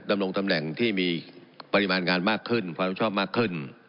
ดำรงตำแหน่งที่มีปริมาณงานมากขึ้นความชอบมากขึ้น